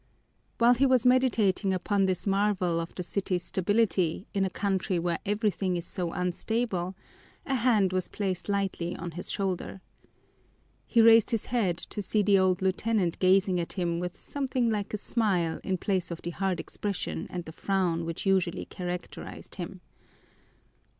While he was meditating upon this marvel of the city's stability in a country where everything is so unstable, a hand was placed lightly on his shoulder. He raised his head to see the old lieutenant gazing at him with something like a smile in place of the hard expression and the frown which usually characterized him.